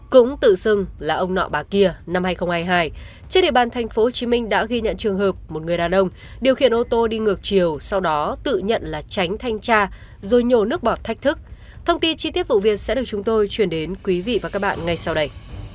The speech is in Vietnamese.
cũng tự xưng là ông nọ bà kia năm hai nghìn hai mươi hai trên địa bàn tp hcm đã ghi nhận trường hợp một người đàn ông điều khiển ô tô đi ngược chiều sau đó tự nhận là tránh thanh tra rồi nhồ nước bọt thách thức thông tin chi tiết vụ việc sẽ được chúng tôi chuyển đến quý vị và các bạn ngay sau đây